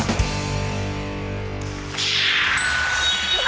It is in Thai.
คุณแม่